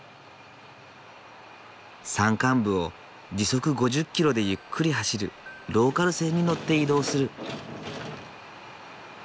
山間部を時速５０ｋｍでゆっくり走るローカル線に乗って移動する。